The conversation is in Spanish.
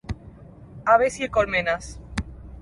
Aves y colmenas.